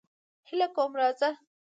هیله کوم راځه.